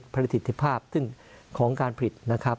ผลิตภาพซึ่งของการผลิตนะครับ